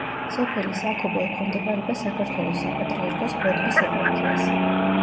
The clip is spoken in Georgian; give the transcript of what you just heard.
სოფელი საქობო ექვემდებარება საქართველოს საპატრიარქოს ბოდბის ეპარქიას.